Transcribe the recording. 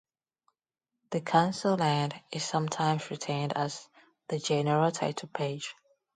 The cancelland is sometimes retained as the "general title-page".